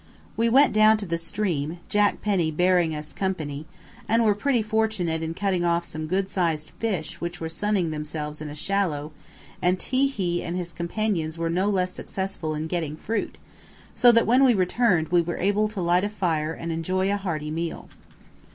We went down to the stream, Jack Penny bearing us company, and were pretty fortunate in cutting off some good sized fish which were sunning themselves in a shallow, and Ti hi and his companions were no less successful in getting fruit, so that when we returned we were able to light a fire and enjoy a hearty meal.